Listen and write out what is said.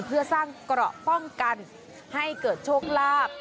เพื่อสร้างเกราะป้องกันให้เกิดโชคลาภ